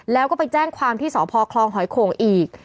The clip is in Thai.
แล้วก็ไปแจ้งความที่สคฮอีก